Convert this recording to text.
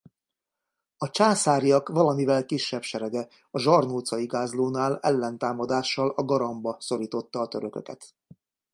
A császáriak valamivel kisebb serege a zsarnócai gázlónál ellentámadással a Garamba szorította a törököket.